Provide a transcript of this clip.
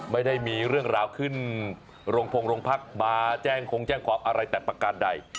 ไม่ได้มีเรื่องราวขึ้นโรงพงโรงพักมาแจ้งคงแจ้งความอะไรแต่ประการใด